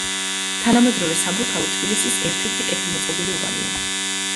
თანამედროვე საბურთალო თბილისის ერთ-ერთი კეთილმოწყობილი უბანია.